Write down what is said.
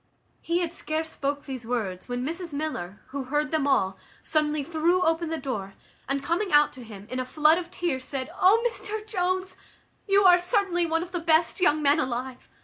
He had scarce spoke these words, when Mrs Miller, who heard them all, suddenly threw open the door, and coming out to him, in a flood of tears, said, "O Mr Jones! you are certainly one of the best young men alive.